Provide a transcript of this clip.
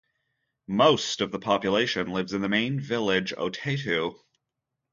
Most of the population lives in the main village Otetou.